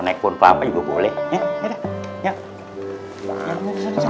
naikpon papa juga boleh ya ya ya ya